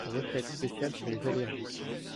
Recette spéciale pour les allergiques